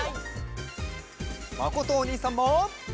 まことおにいさんも。